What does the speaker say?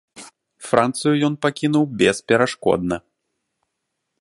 Францыю ён пакінуў бесперашкодна.